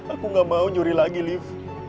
aku gak mau nyuri lagi lift